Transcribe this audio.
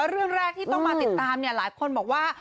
เรื่องแรกที่ต้องมาติดตามหลายคนบอกว่า